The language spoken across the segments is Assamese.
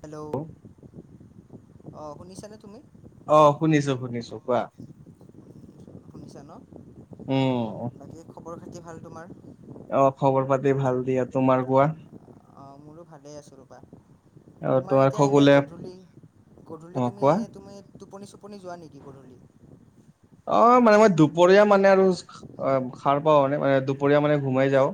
হেল্ল' অঁ শুনিছানে তুমি অ শুনিছো শুনিছো কোৱা উম শুনিছা ন উম বাকী খবৰ খাতি ভাল তোমাৰ অ খবৰ পাতি ভাল দিয়া তোমাৰ কোৱা অঁ মোৰো ভালেই আছোঁ ৰবা অ তোমাৰ এতিয়া এনে খগোলে গধূলি অ গধূলি তুমি কোৱা এনে তুমি টোপনি টোপনি নি যোৱা নেকি গধূলি অ মানে মই দুপৰীয়া মানে আৰু অ সাৰ পাওঁ মানে মানে দুপৰীয়া মানে ঘুমাই যাওঁ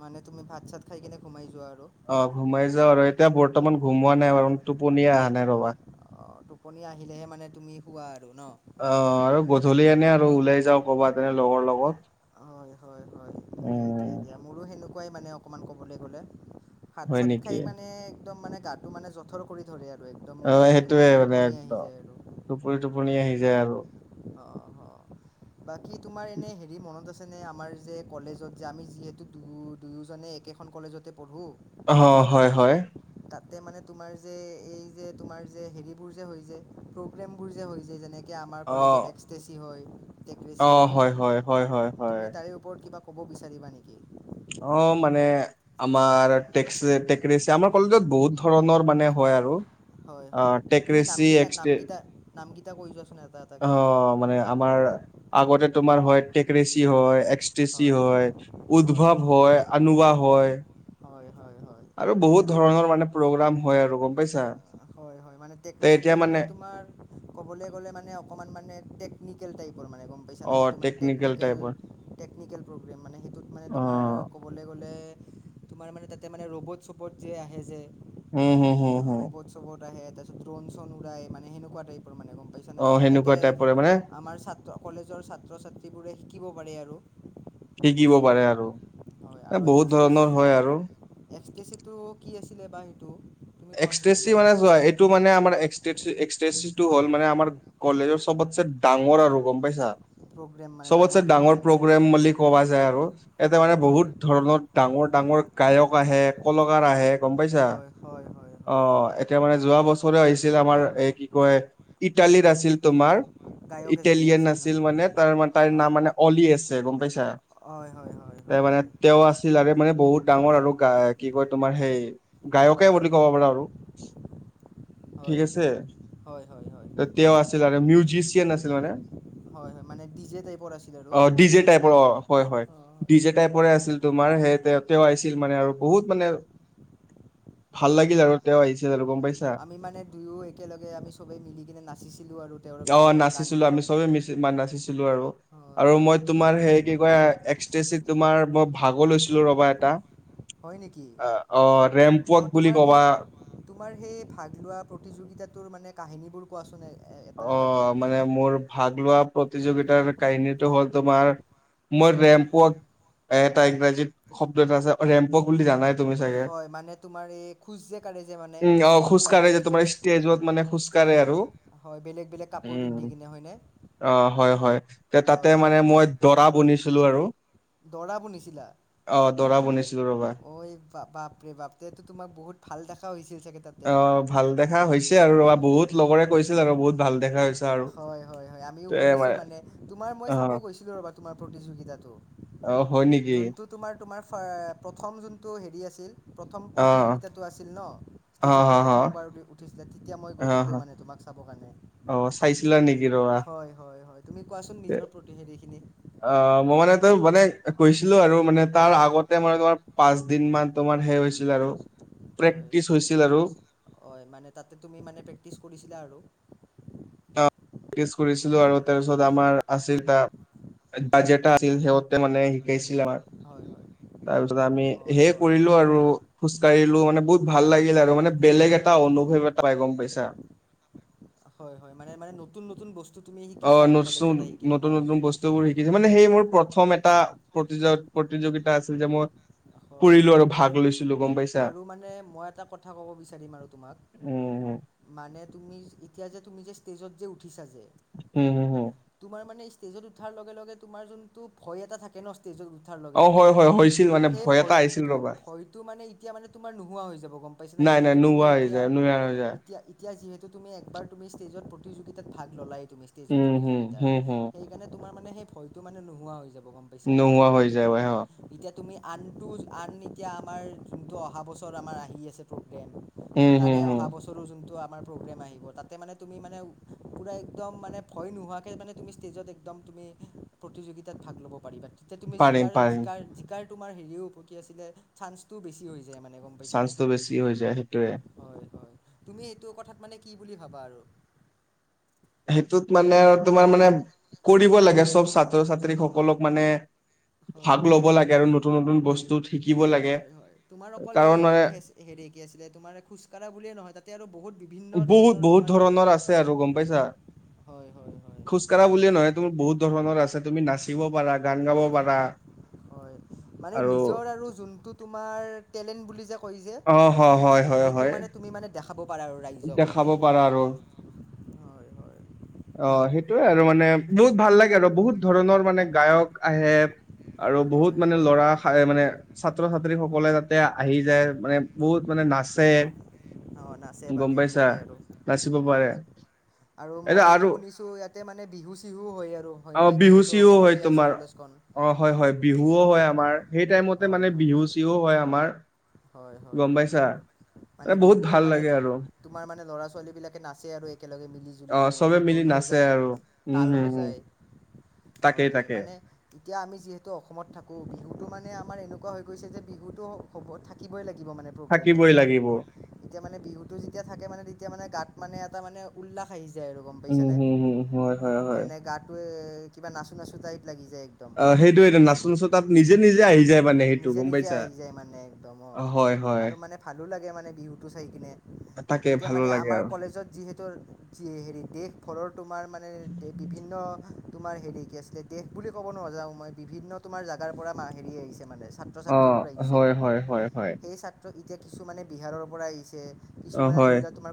মানে তুমি ভাত চাত খাই কিনে সোমাই যোৱা আৰু অ ঘুমাই যাও আৰু এতিয়া বৰ্তমান ঘুমোৱা নাই বাৰু টোপনীয়া অহা নাই ৰবা অঁ টোপনি আহিলেহে মানে তুমি শোৱা আৰু ন অ আৰু গধূলি এনে আৰু ওলাই যাওঁ ক'বাত তেনে লগৰ লগত হয় হয় হয় উম সেইটোৱে দিয়া মোৰো সেনেকুৱাই মানে অকণমান ক'বলৈ গ'লে ভাত হয় চাত নেকি খাই মানে একদম মানে গাটো মানে জথৰ কৰি ধৰে আৰু একদম অ মানে সেইটোয়ে টোপনি মানে টোপনি আহি একদম যায় আৰু টোপনি টোপনি আহি যায় আৰু অ অ বাকী তোমাৰ এনে হেৰি মনত আছে আছেনে আমাৰ যে কলেজত যে আমি যিহেতু দু দুয়োজনে একেখন কলেজতে পঢ়োঁ অ হয় হয় তাতে মানে তোমাৰ যে এই যে তোমাৰ যে হেৰিবোৰ যে হৈ যে প্ৰব্লেমবোৰ যে হৈ যায় যেনেকৈ আমাৰ অ কলেজত এক্স টে চি হয় অ হয় হয় হয় হয় হয় তুমি তাৰে ওপৰত কিবা ক'ব বিচাৰিবা নিকি অ মানে আমাৰ টেস্কে টেকৰেচিয়াম আমাৰ কলেজত বহুত ধৰণৰ মানে হয় আৰু হয় অ হয় টেক তুমি নাম ৰেচি গিতা এক্স নাম গিতা নাম গিতা কৈ যোৱাচোন এটা এটাকে অ মানে আমাৰ আগতে তোমাৰ হয় টেকৰেচি হয় এস্কটেচি হয় উদ্ভৱ হয় আনুুৱা হয় হয়, হয়, হয়। আৰু বহুত ধৰণৰ মানে প্ৰগ্ৰাম হয় আৰু গম পাইছা হয় হয় মানে তে এতিয়া টেকৰেচিটো মানে তোমাৰ ক'বলে গলে মানে অকমান মানে টেকনিকেল টাইপৰ মানে গম পাইছা অ নাই সেইটো মানে টেকনিকেল টাইপৰ টেকনিকেল প্ৰগ্ৰেম মানে সেইটোত মানে অ তোমাৰ ক'বলে গ'লে তোমাৰ মানে তাতে মানে ৰ'বট চবট যে আহে যে উম হুম হুম হুম ৰবট আহে তাৰপাছত ড্ৰন চ্ৰন উৰাই মানে সেনেকুৱা টাইপৰ মানে গম পাই যেনে অ যাতে সেনেকুৱা টাইপৰে মানে আমাৰ ছাত্ৰক কলেজৰ ছাত্ৰ ছাত্ৰীবোৰে শিকিব পাৰে আৰু শিকিব পাৰে বস্তুবোৰ আৰু হয় এ আৰু বহুত ধৰণৰ হয় আৰু এক্সটেছ এক্সটেচিটো কি আছিলে বা সেইটো তুমি কোৱাচোন একবাৰ হয় এটো মানে এস্ক টিছ একস্টেচিটো হল মানে আমাৰ কলেজৰ চবতছে ডাঙৰ আৰু গম পাইছা প্ৰগ্ৰেম মানে চবতচে ডাঙৰ মানে প্ৰগ্ৰেম বুলি কৱা যায় আৰু ইয়তে মানে হয় হয় বহুত ধৰণৰ ডাঙৰ ডাঙৰ গায়ক আহে কলাকাৰ হয় আহে গম পাইছা হয় হয় হয় অ হয় এতিয়া মানে যোৱা বছৰৌ আহিছিল আমাৰ এ কি কয় ইটালীত হয় আছিল তোমাৰ গায়ক এজনী ইটেলিয়ান আহিছিল ন আছিল মানে তাৰ মা অঁ তাইৰ অঁ নাম মানে অলি আছে গম পাইছা হয় হয় হয় তে হয় মানে হয় তেওঁ আছিল আৰু মানে বহুত ডাঙৰ আৰু গা কি কয় তোমাৰ সেই গায়কে হয় বুলি ক'ব হয় আৰু হয় ঠিক আছে হয় হয় হয় ছিল আৰ মিউজিচিয়ান আছিল মানে হয় হয় মানে ডি জে টাইপৰ আছিল আৰু ডিজে টাইপৰ অ হয় হয় অঁ ডি জে হয় হয় টাইপৰে আছিল তোমাৰ সেই তে তেওঁ আহিছিল মানে আৰু বহুত মানে ভাল লাগিল আৰু তেওঁ আহিছে আৰু হয় গম পাইছ আমি মানে দুয়ো একেলগে আমি চবেই মিলি কেনে নাচিছিলো আৰু তেওঁৰ গায় গানবোৰত ইমান নাচিছিলো আৰু হয় আৰু হয় মই হয় তোমাৰ সে কি কয় এক্সটেচিত তোমাৰ মই ভাগো লৈছিলো ৰবা এটা হয় নেকি আ অ অঁ ৰেম্পত তোমাৰ সেই তোমাৰ সেই ভাগ লোৱা প্ৰতিযোগিতাটোৰ মানে কাহিনীবোৰ কোৱাচোন এটা অ এটাকে মানে মোৰ ভাগ লোৱা প্ৰতিযোগিতাৰ কাহিনীটো হ'ল তোমাৰ মই হয় ৰেম্পত এ এটা ইংৰাজীত শব্দ এটা আছে ৰেম্প উৱক বুলি জানাই তুমি চাগে হয় মানে তোমাৰ এই খোজ যে কাঢ়ে যে মানে উম অ হেৰিত খোজকাঢ়ে কাৰ্পেট তোমাৰ ষ্টেজত মানে খোজকাঢ়ে আৰু হয় বেলেগ বেলেগ কাপোৰ উম পিন্ধি কিনে হয়নে অ হয় হয় তে তাতে হয় মানে হয় মই দৰা বনিছিলো আৰু দৰাবোৰ নিছিলা অ দৰা বনিছিলো ৰবা ঐ বাপৰে বাপ ৰে তো তোমাক বহুত ভাল দেখা হৈছিল চাগে তাত অ ভাল দেখা হৈছে আৰু ৰ বহুত লগৰে কৈছিল আৰু বহুত ভাল দেখা হৈছে আৰু হয় হয় হয় আমিও শুনিছো মানে তোমাৰ মই অ চাব গৈছিলো ৰ'বা তোমাৰ প্ৰতিযোগিতাতটো অ হয় নেকি তোমাৰ তোমাৰ প্ৰথম যোনটো হেৰি আছিল প্ৰথম অ প্ৰতিযোগিতাটো আছিল ন অ ষ্টেজত হ যে হ প্ৰথমবাৰ উঠিছিলে তেতিয়া মই অ হ গৈছিলোঁ মানে তোমাক চাবৰ কাৰণে অ চাইছিলা নেকি ৰ হয় হয় হয় তুমি কোৱাচোন নিজৰ প্ৰতিষেধিখিনি অ মই মানে তই মানে কৈছিলো আৰু মানে তাৰ আগতে মানে তোমাৰ পাঁচ দিন মান বমান সেই হৈছিল আৰু হয় প্ৰেক্টিচ হৈছিল আৰু হয় মানে তাতে তুমি মানে প্ৰেক্টিচ কৰিছিলা আৰু প্ৰেক্টিছ কৰিছিলো আৰু তাৰপিছত আমাৰ আছিল ত বাজেটা আছিল সিহঁতে মানে শিকাইছিল আমাৰ হয় হয় তাৰপিছত আমি হয় সে হয় কৰিলো আৰু হয় হয় খোজকাঢ়িলো মানে বহুত ভাল লাগিল আৰু মানে বেলেগ এটা অনুভৱ এটা পাই গম পাইছা হয় হয় মানোনে নতুন নতুন বস্তু তুমি অ শিকিছা আৰু নু কলেজত আহি কিনে ন নতুন নতুন বস্তু বোৰ শ কিু মানে সেই মোৰ প্ৰথম এটা প্ৰতিয প্ৰতিযোগিতা আছিল যে মোৰ হয় আৰু মানে মই এটা কথা ক'ব বিচাৰিম আৰু তোমাক উম উম মানে তুমি এতিয়া যে তুমি যে ষ্টেজত যে উঠিছা যে হম হুম হুম তোমাৰ মানে ষ্টেজত উঠাৰ লগে লগে তোমাৰ যোনটো ভয় এটা থাকে ন ষ্টেজত অ হয় হয় হৈছিল মানে ভয় এটা আহিছিল ৰবা হয়তটো মানে এতিয়া মানে তোমাৰ নোহোৱা হৈ যাব গম পাইছ না নাই নাই যিহেতু তুমি নোহোৱা হৈ এতিয়া যায় নোহোৱা হৈ যায় এতিয়া এতিয়া যিহেতু তুমি একবাৰ তুমি ষ্টেজত প্ৰতিযোগিতাত ভাগ ল'লাই তুমি ষ্টজৰ উম হম প্ৰতিযোগিতাত হম হম সেই কাৰণে তোমাৰ মানে সেই ভয়টো মানে নোোৱা হৈ যাব পছা নোহোৱা হৈ যায় হয় এতিয়া তুমি আন আন এতিয়া আমাৰ যোনটো অহা বছৰ আমাৰ আহি আছে েম উম, তাৰে হম, হম অহা বছৰ া ম একদম তুমি প্ৰতিযোগিতাত ভাগ ল'ব পাৰিবা তেতিয়া তুমি পাৰিম জিকাৰ পাৰিম জিকাৰ জিকাৰ তোমাৰ হেৰিয়ও প্ৰতিক আছিলে চান্সটোও বেছি হৈ যায় মানে পাইছানে চান্সটো বেছি হৈ যায় সেইটোোৱে হয় হয় তুমি এইটো কথাত মানে কি বুলি ভাবা আৰু সেইটোত মানে আৰু তোমাৰ মানে কৰিব লাগে চব ছাত্ৰ ছাত্ৰী সকলক মানে হয় ভাগ ল'ব লাগে আৰু নতুন নতুন বস্তু শিকিব লাগে হয় হয় তোমাৰ অকল কাৰণ এই মানে ফেচ হেৰি কি আছিলে তোমাৰ খোজকাঢ়া বুলিয়ে নহয় তাত তাতে আৰু বহুত বিভিন্ন বহুত ধৰণৰ বহুত তোমাৰ ধৰণৰ আছে আৰু হয়নে গম পাইছা হয় হয় হয় খোজ কঢ়া বুলে নহয় তুমাৰ বহুত ধৰণৰ আছে তুমি নাচিব পাৰা গান গাব পাৰা হয় মানে আৰু নিজৰ আৰু যোনটো তোমাৰ টেলেণ্ট বুলি যে কৈছে অ হয় হয় হয় হয় দেখাব পাৰে আৰু। ৰাইজক হয়নে দেখাব পাৰা আৰু? হয়, হয়। অ'! সেইটোৱে আৰু মানে, বহুত ভাল লাগে আৰু! বহুত ধৰণৰ মানে, গায়ক আহে। আৰু বহুত হয় মানে, ল'ৰা [unintelligible] মানে, ছাত্ৰ-ছাত্ৰীসকলে যাতে, আহি যায়। মানে, বহুত মানে নাচে। অ'! না গম নাচে-বাগে পাইছা সেনেকে আৰু। নাচিব হয়! পাৰে আৰু এয়া মইতো আৰু শুনিছোঁ! ইয়াতে মানে, বিহু-চিহু হয় আৰু অ হয়নে, বিহু যিহেতু চিহু হয় অসমতে আছে, তোমাৰ কলেজখন। অ'! হয়, হয়, বিহুও হয় আমাৰ। সেই টাইমতে মানে, হয় হয় বিহু-চিহু হয় আমাৰ, হয় হয় গম হয় পাইছা? মানে এ, বহুত বিহুটো ভাল মানে লাগে আৰু! তোমাৰ মানে, ল'ৰা-ছোৱালীবিলাকে নাচে আৰু একেলগে মিলি-জুলি অ কিনে, চবে তোমাৰ মিলি ঢোল নাচে বজায়, আৰু উম তাল হম হম বজায়। হয় তাকেই, হয় তাকে। মানে এতিয়া, আমি যিহেতু অসমত থাকোঁ, বিহুটো মানে, মানে, আমাৰ এনেকুৱা হৈ গৈছে যে, বিহুটো হ'ব, থাকিবই লাগিব মানে, প্ৰগ্ৰেমত। থাকিবই লাগিব এতিয়া মানে, বিহুটো যেতিয়া থাকে মানে, তেতিয়া মানে, গাত মানে, এটা মানে, উল্লাহ আহি যায় আৰু। গম উম পাইছানে? হম হম হয় হয় হয় মানে, গাটোৱে কিবা নাচো-নাচো টাইপ লাগি যায়, একদম। অ'! সেইটোৱেতো নাচো-নাচো তাত, নিজে-নিজে আহি যায়। মানে সেইটো নিজে, গম নিজে পাইছা? আহি যায় মানে, একদম অ'! হয় হয় আৰু মানে, ভালোঁ লাগে মানে, বিহুটো চাই কিনে। তাকে এতিয়া ভালো মানে, লাগে আমাৰ আৰু কলেজত যিহেতু, যি সেৰি, দেশ [unintelligible] তোমাৰ মানে, বিভিন্ন তোমাৰ সেৰি, কি আছিলে? দেশ বুলি ক'ব নাযাওঁ মই, বিভিন্ন তোমাৰ জাগাৰ পৰা মা সেৰি আহিছে মানে। ছাত্ৰ অ'! হয়, হয়, হয়, হয়। ত' এতিয়া, কিছুমানে বিহাৰৰ পৰা আহিছে, অ কিছুমানে, হয় ধৰি লোৱা তোমাৰ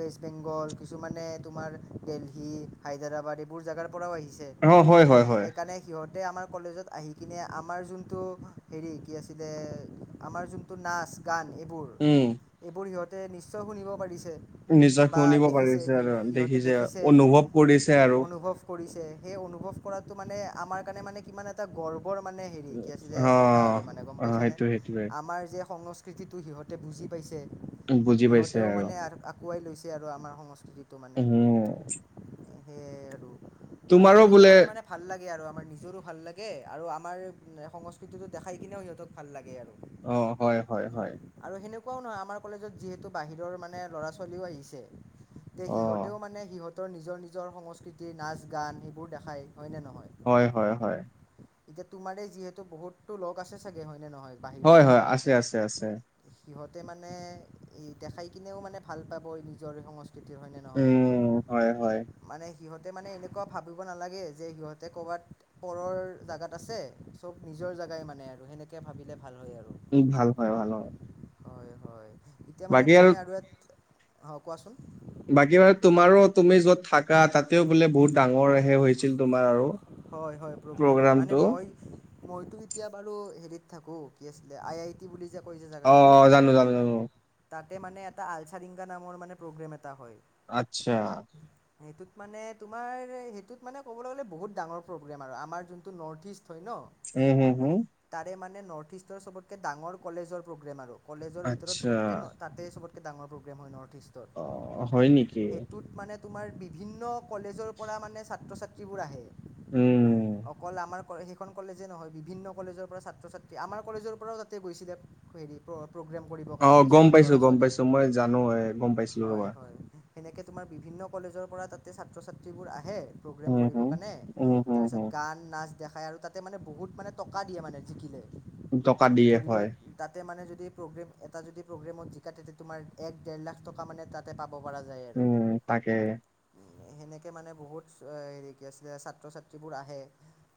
ৱেষ্ট বেংগল, কিছুমানে তোমাৰ, দিল্লী, হায়দৰাবাদ এইবোৰ জেগাৰ পৰাও আহিছে। অ হয় হয় হয় সেইকাৰণে, সিহঁতে আমাৰ কলেজত আহি কিনে, আমাৰ যোনটো, সেৰি, কি আছিলে! আমাৰ যোনটো, নাচ-গান এইবোৰ। উম! এইবোৰ সিহঁতে, নিশ্চয় শুনিব পাৰিছে। নিজক বা শুনিব দেখিছে পাৰিছে আৰু সিহঁতে দেখিছে! অনুভৱ কৰিছে আৰু। অনুভৱ কৰিছে, সেই অনুভৱ কৰাটো মানে, আমাৰ কাৰণে মানে, আমাৰ কাৰণে মানে, কিমান এটা গৰ্বৰ, মানে কি অ আছিলে? কথা আৰু মানে, গম অ পাইছানে? সেইটো সেইটোৱে আমাৰ যে, সংস্কৃতিটো সিহঁতে, বুজি পাইছে! বুজি পাইছে সিহঁতেও আৰু। মানে [unintelligible] লৈছে আৰু আমাৰ সংস্কৃতিটো মানে, উম সেয়াই আৰু। মানে, তোমাৰো সেনেকে বোলে হ'লে মানে, ভাল লাগে আৰু! আমাৰ নিজৰোঁ ভাল লাগে! আৰু আমাৰ সংস্কৃতিটোত দেখাই কিনেও সিহঁতক ভাল লাগে আৰু! অ'! হয়, হয়, হয়। আৰু সেনেকুৱাও নহয়। আমাৰ কলেজত যিহেতু, বাহিৰৰ মানে, ল'ৰা-ছোৱালীও আহিছে। অ [unintelligible] সিহঁতেও মানে, সিহঁতৰ নিজৰ-নিজৰ সংস্কৃতিৰ নাচ-গান সেইবোৰ দেখায়, হয়নে নহয়? হয়, হয়, হয়। এতিয়া, তোমাৰেই যিহেতু, বহুতো লগ আছে চাগে! হয়নে নহয়? বাহিৰৰ হয়, হয়! আছে, আছে, আছে। সিহঁতে মানে, এই দেখাই কিনেও মানে, ভাল পাব! এই নিজৰ সংস্কৃতি, হয়নে নহয়? উম। হয় হয় [inaudible] মানে সিহঁতে মানে এনেকুৱা ভাবিব নালাগে যে সিহঁতে ক'ৰবাত পৰৰ। জেগাত আছে চব নিজৰ জেগাই মানে আৰু সেনেকৈ ভাবিলে ভাল হয় আৰু। উম ভাল হয় ভাল হয়। হয় হয় এতিয়া মানে মই আৰু ইয়াত অ কোৱাচোন। বাকী মানে তোমাৰো তুমি য'ত থাকা তাতেও বোলে বহুত ডাঙৰ। সে হৈছিল তোমাৰ আৰু হয় হয় প্ৰগ্ৰেম হয় মানে প্ৰগ্ৰামটো। মই মইতো এতিয়া বাৰু হেৰিত থাকো কি আছিল আই আই। বুলি যে কৈছে। অ অ জানো জানো জানো। তাতে মানে এটা আলচাৰিংগা নামৰ মানে প্ৰগ্ৰেম এটা হয়। আত্ছা। সেইটোত মানে তোমাৰ সেইটোত। মানে ক'বলৈ গ'লে বহুত ডাঙৰ প্ৰগ্ৰেম আৰু আমাৰ যোনটো নৰ্থ ইষ্ট হয় ন। উম হুম হুম। তাৰে মানে নৰ্থ ইষ্টৰ চবতকে ডাঙৰ কলেজৰ প্ৰগ্ৰেম আৰু কলেজৰ ভিতৰত আচ্ছা চবতকে নয়। তাতে চবতকৈ ডাঙৰ প্ৰগ্ৰেম হয় নৰ্থ অ হয় নেকি ইষ্টত সেইটোত। মানে তোমাৰ বিভিন্ন কলেজৰ পৰা মানে ছাত্ৰ ছাত্ৰীবোৰ আহে। উম। অকল আমাৰ সেইখন কলেজে নহয় বিভিন্ন কলেজৰ পৰা ছাত্ৰ ছাত্ৰী আমাৰ কলেজৰ পৰাও তাতে গৈছিলে। [unintelligible] প্ৰগ্ৰেম কৰিব। অ গম পাইছো গম পাইছো মই জানো এ গম পাইছিলো ৰবা। সেনেকে তোমাৰ বিভিন্ন কলেজৰ পৰা তাতে ছাত্ৰ ছাত্ৰীবোৰ আহে। প্ৰগ্ৰেম উম কৰিব হম কাৰণে উম হম তাৰপিছত হম গান। নাচ দেখাই আৰু তাতে মানে বহুত মানে টকা দিয়ে মানে জিকিলে টকা দিয়ে ধৰি লোৱা। হয় তাতে মানে যদি প্ৰগ্ৰেম এটা যদি প্ৰগ্ৰেমত জিকা তেতিয়া তোমাৰ এক ডেৰ লাখ টকা মানে তাত। তে পাব পৰা যায় আৰু উম তাকে সেনেকে মানে বহুত। হেৰি কি আছিলে ছাত্ৰ ছাত্ৰীবোৰ আহে।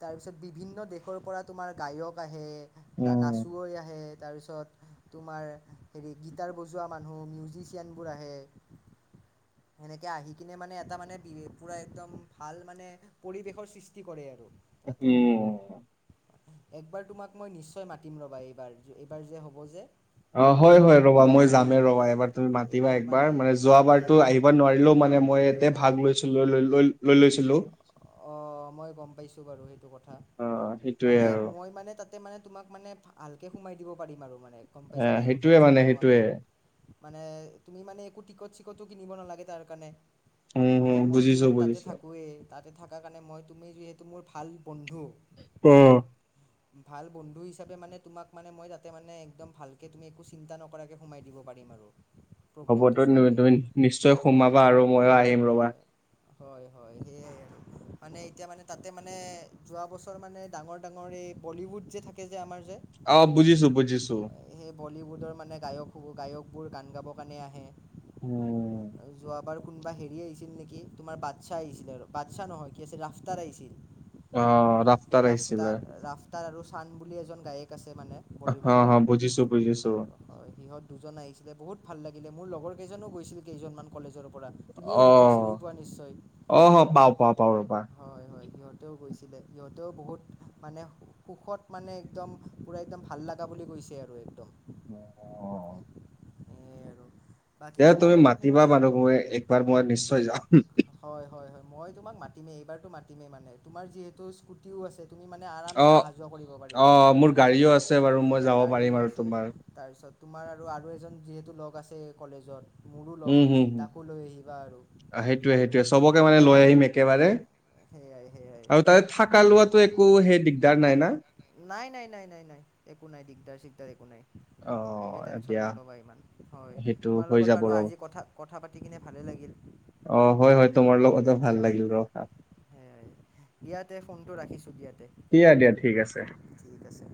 তাৰপিছত বিভিন্ন দেশৰ পৰা তোমাৰ গায়ক আহে। উম নাচো ৱৈ আহে তাৰ পিছত। তোমাৰ হেৰি গীটাৰ বজোৱা মানুহ মিউজিচিয়ানবোৰ আহে। সেনেকে আহি কিনে মানে এটা মানে বি পোৰা একদম। ভাল মানে পৰিৱেশৰ সৃষ্টি কৰে আৰু তাতে। উম একবাৰ তোমাক মই নিশ্চয় মাতিম ৰ'বা এইবাৰ এইবাৰ যে হ'ব যে। অঁ, হয়, হয় ৰবা! মই যামেই ৰবা এবাৰ তুমি মাতিবা একবাৰ মানে যোৱাবাৰতো এইবাৰ আহিব নোৱাৰিলেও মানে মই। হয় ভাগ লৈছিল লৈ লৈ লৈ লৈ লৈছিলো। অঁ, মই গম পাইছো বাৰু সেইটো কথা অ সেইটোয়ে মানে আৰু মই মানে তাত। তে মানে তোমাক মানে ভালকৈ সোমাই দিব পাৰিম আৰু মানে। গম এ পাইছানে একো সেইটোয়ে টেনশ্যন মানে নোহোৱাকৈ সেইটোয়ে। মানে তুমি মানে একো টিকট চিকটো কিনিব নালাগে তাৰ কাৰণে। উম হম এতিয়া মই বুজিছো যিহেতু তাতে বুজিছো থাকোৱেই তাতে থাক কাৰণে মই তুমি যিহেতু মোৰ ভাল বন্ধু। তে। ভাল বন্ধু হিচাপে মানে তোমাক মানে মই যাতে মানে একদম ভালকৈ তুমি একো চিন্তা নকৰাকৈ সোমাই দিব পাৰিম আৰু। [unintelligible] হ'বতো চোৱাকৈ তুমি নিশ্চয় সোমাবা আৰু ময়ো আহিম ৰবা হয় হয় হয় সেয়াই আৰু মানে এতিয়া মানে তাতে মানে যোৱা বছৰ মানে ডাঙৰ ডাঙৰ এই বলিউড যে থাকে যে আমাৰ যে অ, বুজিছো বুজিছো? সেই বলিউডৰ মানে গায়ক গায়কবোৰ গান গাব কাৰণে আহে? উম আৰু যোৱাবাৰ কোনোবা হেৰি আহিছিল নেকি তোমাৰ বাচ্ছা আহিছিলে আৰু বচ্ছা নহয় কি আছিল ৰাফতাৰ আহিছিল অ ৰাফতাৰ আহিছিলে ৰাফতাৰ আৰু ছান বুলি এজন গায়ক আছে মানে অ হ বলীউডৰ বুজিছো বুজিছো হয় সিহঁত দুজন আহিছিলে বহুত ভাল লাগিলে মোৰ লগৰ কেইজনো গৈছিল কেইজনমান কলেজৰ পৰা তুমিও অ সিহঁতক চিনি পোৱা নিশ্চয় অ হ পাও পাও পাও ৰবা হয় হয় সিহঁতেও গৈছিলে সিহঁতেও বহুত মানে সুখত মানে একদম পুৰা একদম ভাল লগা বুলি কৈছে আৰু একদম অ সেয়াই [inaudible] দে তুমি লগত মোৰ মাতিবা মানুহবোৰে একবাৰ মই নিশ্চয় যাম হয় হয় হয় মই তোমাক মাতিমেই এইবাৰতো মাতিমেই মানে তোমাৰ যিহেতু স্কুটিও আছে। তুমি মানে অ আৰামছে অহা যোৱা কৰিব অ পাৰিবা আৰু মোৰ গাড়ীও আছে বাৰু মই যাব পাৰিম গাড়ীও আৰু আছে তোমাৰ তাৰপিছত তোমাৰ আৰু আৰু এজন যিহেতু লগ আছে কলেজত মোৰো লগ হৈ আহি তাকো লৈ আহিবা আৰু অ সেইটোৱে সেইটোৱে চবকে মানে লৈ আহিম একেবাৰে সেয়াই সেয়াই আৰু তাৰে থাকা লোৱাটো একো সেই দিগদাৰ নাই না নাই নাই নাই নাই নাই একো নাই দিগদাৰ চিগদাৰ একো নাই অ তুমি টেনশন এতিয়া নলবা ইমান হয় সেইটো তোমাৰ হৈ লগত যাব বাৰু ৰ আজি কথা কথা পাতি কিনে ভালে লাগিল অ হয় হয় তোমাৰ লগতো ভাল লাগিল ৰবা সেইয়ে ইয়াতে ফোনটো ৰাখিছো ইয়াতে দিয়া দিয়া ঠিক আছে ঠিক আছে